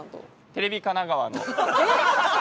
テレビ神奈川？